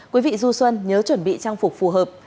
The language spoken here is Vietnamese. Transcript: quý vị du xuân nhớ chuẩn bị trang phục phù hợp